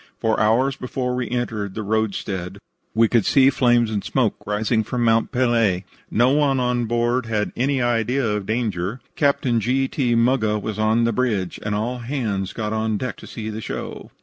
For hours before we entered the roadstead we could see flames and smoke rising from Mont Pelee. No one on board had any idea of danger. Captain G. T. Muggah was on the bridge, and all hands got on deck to see the show.